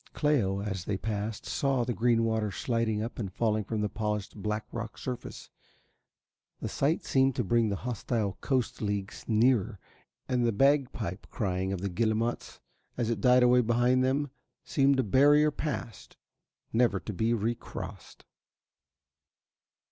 Cléo, as they passed, saw the green water sliding up and falling from the polished black rock surface. The sight seemed to bring the hostile coast leagues nearer and the bagpipe crying of the guillemots as it died away behind them seemed a barrier passed, never to be re crossed.